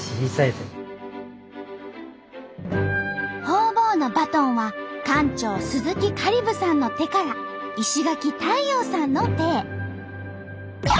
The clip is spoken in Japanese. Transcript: ホウボウのバトンは館長鈴木香里武さんの手から石垣太陽さんの手へ。